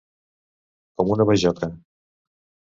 Com una bajoca.